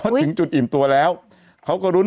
ทราบชื่อต่อมานะครับชื่อว่าคุณดาวเป็นนามสมมุติ